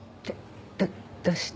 どどうして？